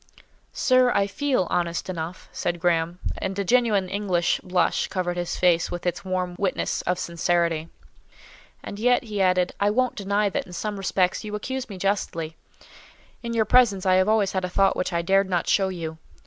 "Sir, I feel honest enough," said Graham; and a genuine English blush covered his face with its warm witness of sincerity. "And yet," he added, "I won't deny that in some respects you accuse me justly. In your presence I have always had a thought which I dared not show you.